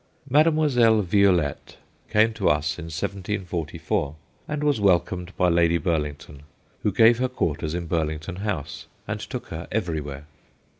Mademoiselle Violette came to us in 1744, and was welcomed by Lady Burlington, who gave her quarters in Burlington House and took her everywhere.